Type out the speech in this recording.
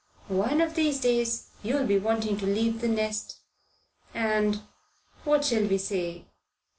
"One of these days you'll be wanting to leave the nest and what shall we say?